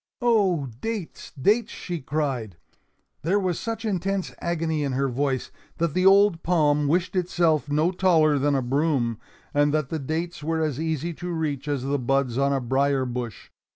"Oh, dates, dates!" she cried. There was such intense agony in her voice that the old palm wished itself no taller than a broom and that the dates were as easy to reach as the buds on a brier bush.